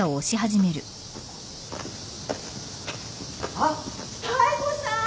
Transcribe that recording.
・あっ妙子さん！